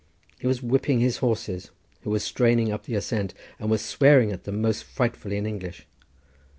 He was whipping his horses, who were straining up the ascent, and was swearing at them most frightfully in English.